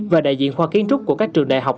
và đại diện khoa kiến trúc của các trường đại học